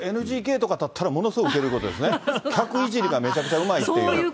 ＮＧＫとかだったらものすごいうけるということね、客いじりがめちゃくちゃうまいっていう。